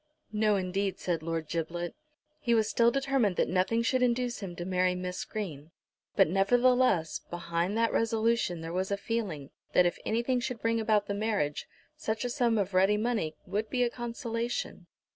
"No, indeed," said Lord Giblet. He was still determined that nothing should induce him to marry Miss Green; but nevertheless, behind that resolution there was a feeling, that if anything should bring about the marriage, such a sum of ready money would be a consolation.